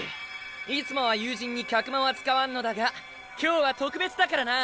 いつもは友人に客間は使わんのだが今日は特別だからな！